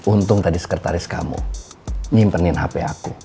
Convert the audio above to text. untung tadi sekretaris kamu nyimpenin hp aku